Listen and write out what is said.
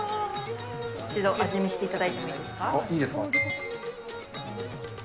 一度味見していただいてもいいいですか？